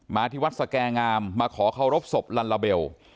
ที่วัดสแก่งามมาขอเคารพศพลัลลาเบล